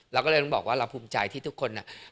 เราก็เลยต้องบอกว่าเราภูมิใจที่ทุกคน